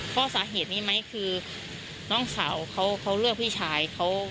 เพราะสาเหตุนี้ไหมคือน้องสาวเขาเลือกพี่ชายเขา